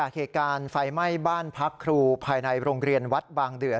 เหตุการณ์ไฟไหม้บ้านพักครูภายในโรงเรียนวัดบางเดือด